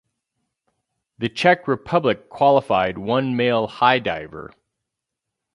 The Czech Republic qualified one male high diver.